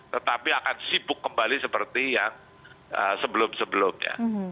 tetapi akan sibuk kembali seperti yang sebelum sebelumnya